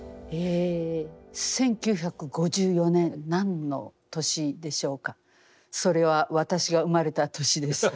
１９５４年何の年でしょうかそれは私が生まれた年です。